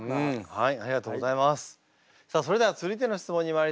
はい！